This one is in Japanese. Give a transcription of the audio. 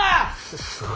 すすごい。